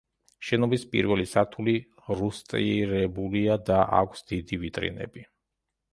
შენობის პირველი სართული რუსტირებულია და აქვს დიდი ვიტრინები.